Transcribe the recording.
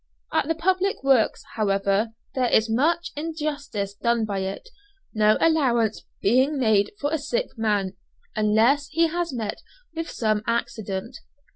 At the public works, however, there is much injustice done by it, no allowance being made for a sick man, unless he has met with some accident.